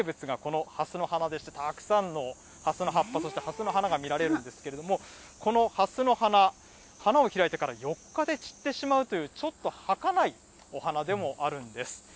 ここの名物がこのはすの花でして、たくさんのはすの葉っぱ、そしてはすの花が見られるんですけれども、このはすの花、花が開いてから４日で散ってしまうという、ちょっとはかないお花でもあるんです。